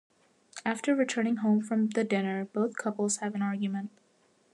After returning home from the dinner, both couples have an argument.